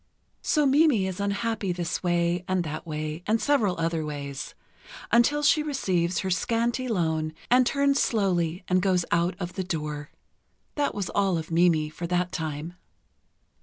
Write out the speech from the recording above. So Mimi is unhappy this way and that way and several other ways, until she receives her scanty loan and turns slowly and goes out of the door. That was all of Mimi, for that time.